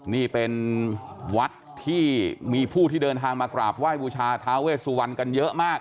นี่เป็นวัดที่มีผู้ที่เดินทางมากราบไหว้บูชาท้าเวสุวรรณกันเยอะมาก